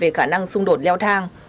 nên lo ngại về khả năng xung đột leo thang